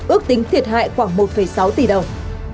ước tính thiệt hại khoảng một sáu tỷ đồng